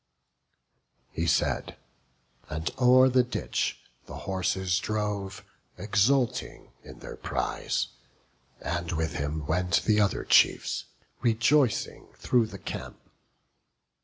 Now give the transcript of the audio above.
He said, and o'er the ditch the horses drove, Exulting in their prize; and with him went The other chiefs, rejoicing, through the camp.